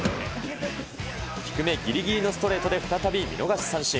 低めぎりぎりのストレートで再び見逃し三振。